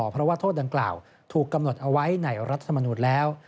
เพราะว่าโทษดังกล่าวถูกกำหนดเอาไว้ในรัฐมนุนแล้ว